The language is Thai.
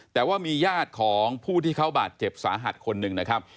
แต่ว่ามีญาติของผู้ที่เขาบาดเจ็บสาหัสคนหนึ่งนะครับ